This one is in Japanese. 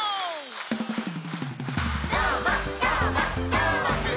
「どーもどーもどーもくん！」